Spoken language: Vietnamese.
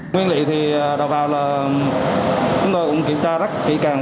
nguyên liệu thì đầu vào là chúng tôi cũng kiểm tra rất kỹ càng